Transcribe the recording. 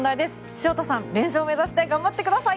潮田さん連勝目指して頑張ってください。